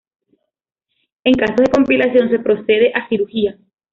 En casos de complicación se procede a cirugía.